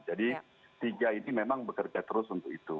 jadi tiga ini memang bekerja terus untuk itu